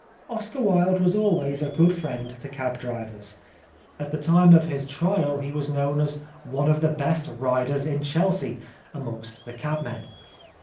Oscar Wilde was always a good friend to cab drivers. At the time of his trial he was known as " one of the best riders in Chelsea " amongst the cabmen.